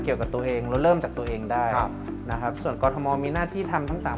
เกี่ยวกับตัวเองแล้วเริ่มจากตัวเองได้ครับนะครับส่วนกรทมมีหน้าที่ทำทั้งสาม